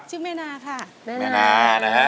ชื่อแม่นาค่ะแม่นา